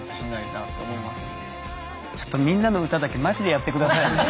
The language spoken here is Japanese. ちょっと「みんなのうた」だけマジでやって下さい。